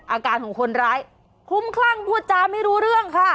อาการของคนร้ายคลุมคลั่งพูดจาไม่รู้เรื่องค่ะ